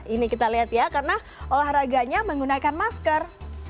ini kita lihat ya karena olahraganya menggunakan masker